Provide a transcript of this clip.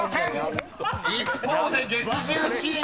［一方で月１０チームは２７個］